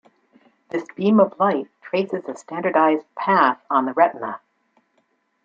This beam of light traces a standardized path on the retina.